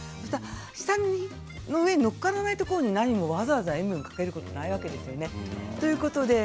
舌の上に載っからないところになにもわざわざ塩分をかけることはないわけですよね。